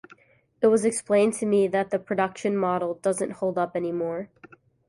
It was explained to me that that production model doesn't hold up anymore.